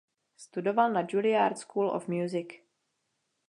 Studoval na Juilliard School of Music.